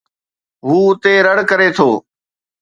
هو اتي رڙ ڪري ٿو